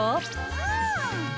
うん！